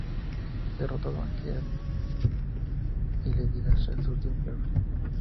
Derrotado, Angeal agoniza y le dice a Zack sus últimas palabras.